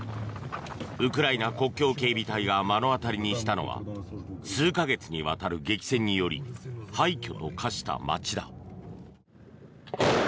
ウクライナ国境警備隊が目の当たりにしたのは数か月にわたる激戦により廃虚と化した街だ。